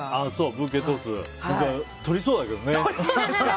ブーケトス取りそうだけどね。